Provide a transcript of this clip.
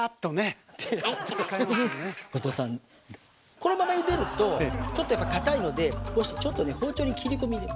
このままゆでるとちょっとやっぱかたいのでこうしてちょっとね包丁に切り込み入れる。